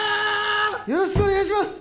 よろしくお願いします